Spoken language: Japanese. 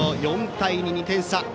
４対２、２点差。